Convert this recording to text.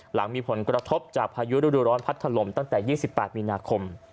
หลังมีผลกระทบจากพายุฤดูร้อนพัดถล่มตั้งแต่๒๘มีนาคม